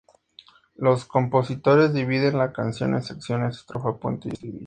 Los compositores dividen la canción en secciones: estrofa, puente y el estribillo.